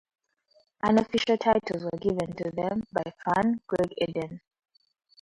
Unofficial titles were given to them by fan Greg Eden.